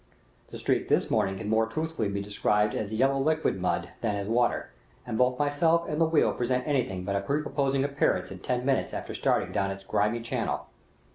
The streak this morning can more truthfully be described as yellow liquid mud than as water, and both myself and wheel present anything but a prepossessing appearance in ten minutes after starting down its grimy channel.